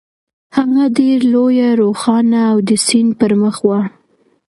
هغه ډېره لویه، روښانه او د سیند پر مخ وه.